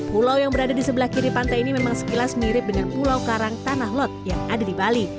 pulau yang berada di sebelah kiri pantai ini memang sekilas mirip dengan pulau karang tanah lot yang ada di bali